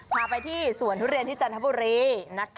พาไปที่สวนทุเรียนที่จันทบุรี